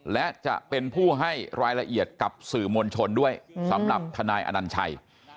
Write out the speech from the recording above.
และจะเป็นผู้ให้รายละเอียดกับสื่อมวลชนด้วยสำหรับทนายอนัญชัย